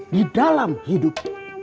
di dalam hidup